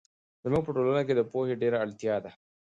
زموږ په ټولنه کې د پوهې ډېر اړتیا ده.